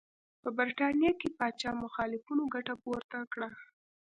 په برېټانیا کې پاچا مخالفینو ګټه پورته کړه.